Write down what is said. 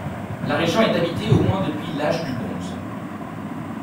La région est habitée au moins depuis l'Âge du bronze.